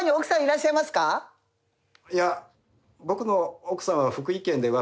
いや僕の奥さんは福井県で私